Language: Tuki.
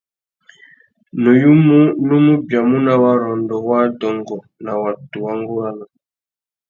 Nuyumú nú mù biamú nà warrôndô wa adôngô na watu wa ngôranô.